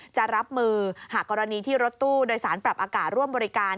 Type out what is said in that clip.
จะรับมือหากกรณีที่รถตู้โดยสารปรับอากาศร่วมบริการ